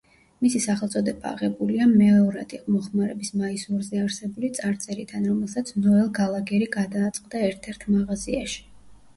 მისი სახელწოდება აღებულია მეორადი მოხმარების მაისურზე არსებული წარწერიდან, რომელსაც ნოელ გალაგერი გადააწყდა ერთ-ერთ მაღაზიაში.